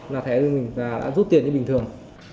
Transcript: là thẻ mình đã rút tiền như bình thường